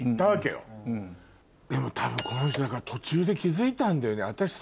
でも多分この人途中で気付いたんだよね。